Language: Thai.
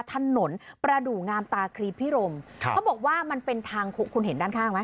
ถนนประดูกงามตาครีพิรมครับเขาบอกว่ามันเป็นทางคุกคุณเห็นด้านข้างไหม